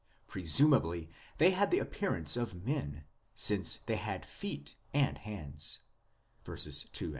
Presumably they had the appearance of men, since they had feet and hands (verses 2, 6).